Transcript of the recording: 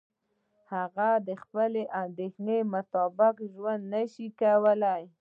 هغه د خپلې اندیشې مطابق ژوند نشي کولای.